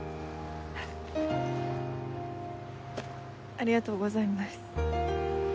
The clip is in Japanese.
ありがとうございます。